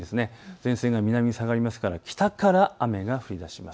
前線が南に下がりますから北から雨が降りだします。